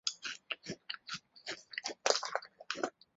中华民国政府接受德国的军事援助。